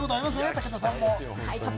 武田さんも。